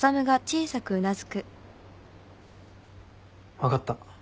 分かった。